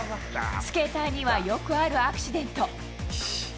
スケーターにはよくあるアクシデント。